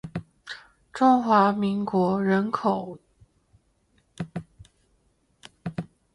中华民国人口约二千三百万人